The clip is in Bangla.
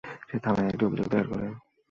সে থানায় একটি অভিযোগ দায়ের করে।